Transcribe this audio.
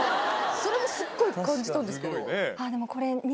それすっごい感じたんですけど。